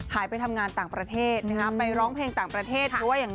หายไปทำงานต่างประเทศไปร้องเพลงต่างประเทศ